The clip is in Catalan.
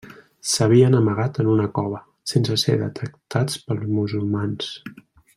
S'havien amagat en una cova, sense ser detectats pels musulmans.